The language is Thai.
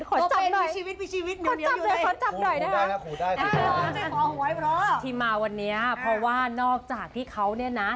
ขอจับหน่อยขอจับหน่อยนะคะที่มาวันนี้เพราะว่านอกจากที่เขาเนี่ยนะ